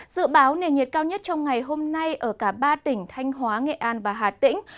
dự báo nền nhiệt cao nhất trong ngày hôm nay ở cả ba tỉnh thanh hóa nghệ an và hà tĩnh